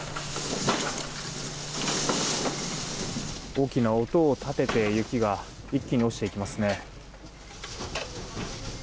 大きな音を立てて雪が一気に落ちていきますね。